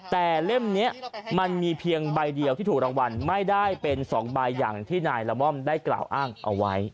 แต่เล่มนี้มันมีเพียงใบเดียวที่ถูกรางวัลไม่ได้เป็น๒ใบอย่างที่นายละม่อมได้กล่าวอ้างเอาไว้